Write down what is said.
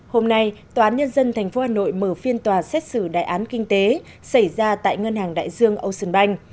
hôm nay tòa án nhân dân tp hà nội mở phiên tòa xét xử đại án kinh tế xảy ra tại ngân hàng đại dương ocean bank